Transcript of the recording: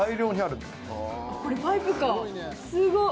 これパイプかすごっ。